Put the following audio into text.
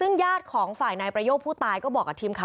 ซึ่งญาติของฝ่ายนายประโยคผู้ตายก็บอกกับทีมข่าว